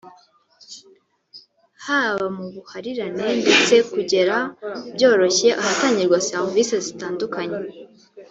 haba mu buhahirane ndetse kugera byoroshye ahatangirwa serivisi zitandukanye